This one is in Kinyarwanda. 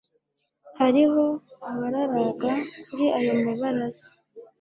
Hariho abararaga kuri ayo mabaraza,